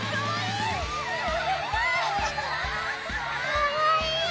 かわいい！